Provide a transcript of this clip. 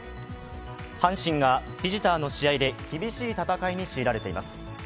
阪神がビジターの試合で厳しい戦いを強いられています。